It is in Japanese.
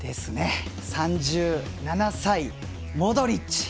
３７歳、モドリッチ！